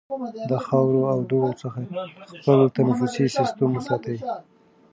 د خاورو او دوړو څخه خپل تنفسي سیستم وساتئ.